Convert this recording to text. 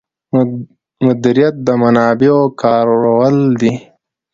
مدیریت د منابعو کارول دي